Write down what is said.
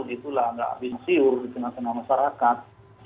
itulah tidak bisa kami penasaran masyarakat